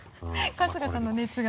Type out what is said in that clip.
春日さんの熱が。